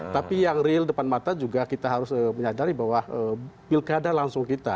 tapi yang real depan mata juga kita harus menyadari bahwa pilkada langsung kita